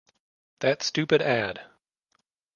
That stupid ad.